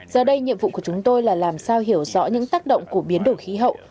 giờ đây nhiệm vụ của chúng tôi là làm sao hiểu rõ những tác động của biến đổi khí hậu